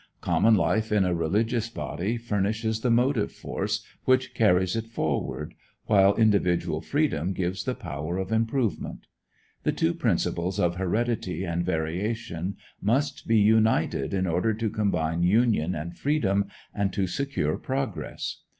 Common life in a religious body furnishes the motive force which carries it forward, while individual freedom gives the power of improvement. The two principles of heredity and variation must be united in order to combine union and freedom, and to secure progress.